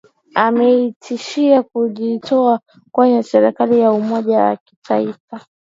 ametishia kujitoa kwenye serikali ya umoja wa kitaifa